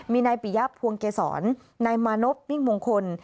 มีในปิยะพวงเกษรในมานบนิมงคล